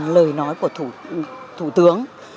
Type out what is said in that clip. lời nói của thủ tướng